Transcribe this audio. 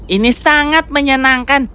ini sangat menyenangkan